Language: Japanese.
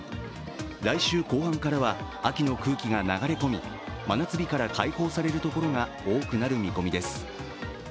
来週後半からは秋の空気が流れ込み真夏日から解放されるところが多くなる見込みです。